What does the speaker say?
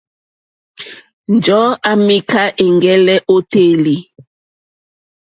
Njɔ̀ɔ́ à mìká ɛ̀ŋgɛ́lɛ́ ô téèlì.